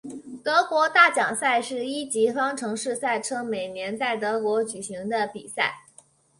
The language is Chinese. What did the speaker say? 德国大奖赛是一级方程式赛车每年在德国举行的比赛。